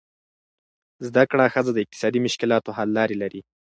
زده کړه ښځه د اقتصادي مشکلاتو حل لارې لري.